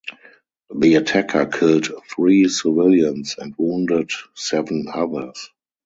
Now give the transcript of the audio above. The attacker killed three civilians and wounded seven others.